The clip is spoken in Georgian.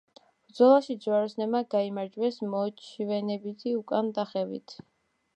ბრძოლაში ჯვაროსნებმა გაიმარჯვეს „მოჩვენებითი უკან დახევით“.